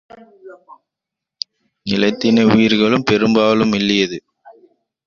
நிலைத்திணை உயிர்களுள், பெரும்பாலும் மெல்லியதும்